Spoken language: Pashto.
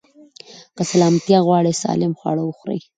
که سلامتيا غواړئ، سالم خواړه وخورئ.